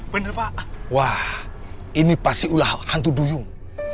bener pak wah ini pasti ulah hantu duyung